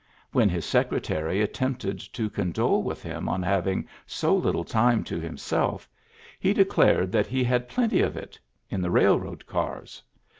When his secretary attempted to condole with him on having so little time to him self, he declared that he had plenty of it in the railroad cars.